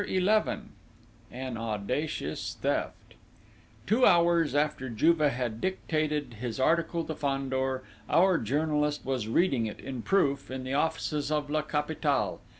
XI AN AUDACIOUS THEFT Two hours after Juve had dictated his article to Fandor, our journalist was reading it, in proof, in the offices of La Capitale.